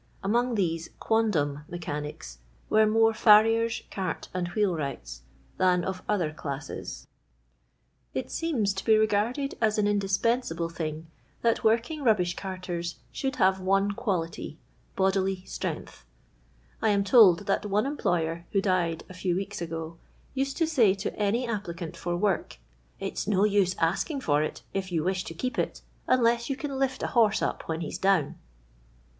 Among these quondam mechanics were more farriers, cart and wheel wrights, than of other classes. It seems to be regarded as an indispensable thing that workini;^ rubbish carters should have one quality — bodily strength. I am told that one employer, who died a few weeks ago, used to say to any applicant for work, l\'% no use asking for it, if you wish to keep it, unless you con lift a horse up when he 's down."